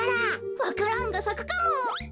わか蘭がさくかも！